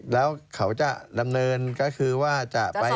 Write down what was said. แล้วเขาจะดำเนินก็คือว่าจะไป